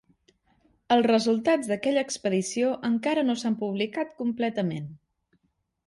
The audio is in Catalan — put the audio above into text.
Els resultats d'aquella expedició encara no s'han publicat completament.